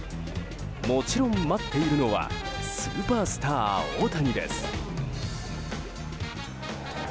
もちろん待っているのはスーパースター大谷です。